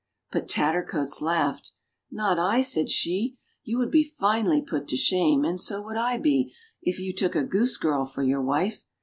But Tattercoats laughed. "Not I," said she, "you would be finely put to shame, and so would I be, if you took a goose girl for your wife